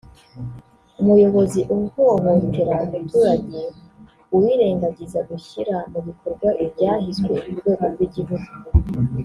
umuyobozi uhohotera umuturage uwirengagiza gushyira mubikorwa ibyahizwe kurwego rw’igihugu